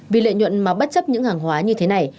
vì lợi nhuận mà bất chấp những hàng hóa như thế này